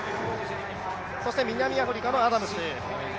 そして南アフリカのアダムス。